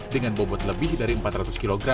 dengan bobot lebih dari empat ratus kg